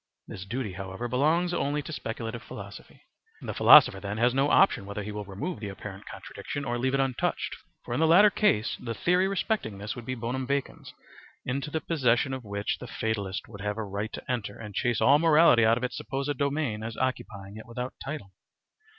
This duty, however, belongs only to speculative philosophy. The philosopher then has no option whether he will remove the apparent contradiction or leave it untouched; for in the latter case the theory respecting this would be bonum vacans, into the possession of which the fatalist would have a right to enter and chase all morality out of its supposed domain as occupying it without title.